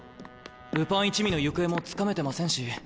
ルパン一味の行方もつかめてませんし。